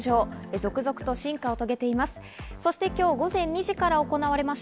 続々と進化を遂げています。